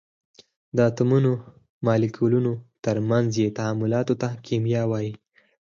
د اتومونو، مالیکولونو او تر منځ یې تعاملاتو ته کېمیا وایي.